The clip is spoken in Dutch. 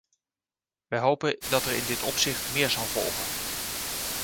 Wij hopen dat er in dit opzicht meer zal volgen.